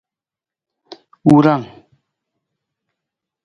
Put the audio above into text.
Wurang.